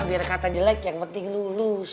biar kata jelek yang penting lulus